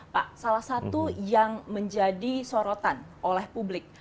pak salah satu yang menjadi sorotan oleh publik